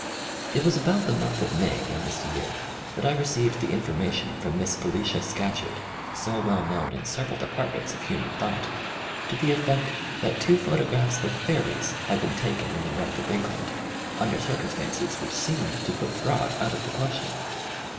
It was about the month of May in this year that I received the information from Miss Felicia Scatcherd, so well known in several departments of hinnan thought, to the effect that two photographs of fairies had been taken in the North of England un der circumstances which seemed to put fraud out of the question.